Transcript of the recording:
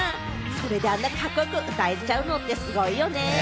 それで、あんなカッコよく歌えちゃうのってすごいよね。